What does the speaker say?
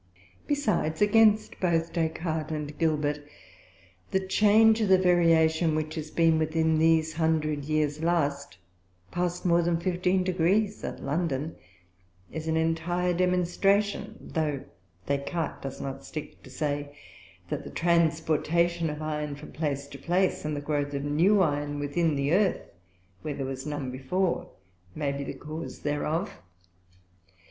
Besides, against both Des Cartes and Gilbert, the change of the Variation, which has been within these Hundred Years last past more than 15 gr. at London, is an entire Demonstration; tho' Des Cartes does not stick to say, that the transportation of Iron from place to place, and the growth of new Iron within the Earth, where there was none before, may be the cause thereof.